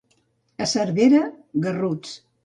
A Cervera, garruts.